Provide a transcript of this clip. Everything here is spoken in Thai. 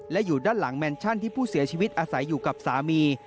และอยู่ด้านหลังแมนชั่นที่ผู้เสียชีวิตอาศัยอยู่กับสามี